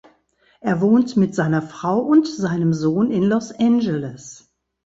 Er wohnt mit seiner Frau und seinem Sohn in Los Angeles.